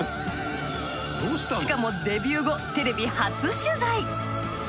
しかもデビュー後テレビ初取材。